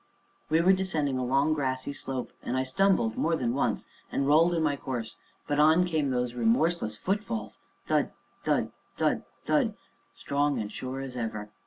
We were descending a long, grassy slope, and I stumbled, more than once, and rolled in my course, but on came those remorseless footfalls thud! thud! thud! thud! strong and sure as ever.